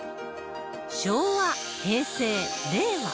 昭和、平成、令和。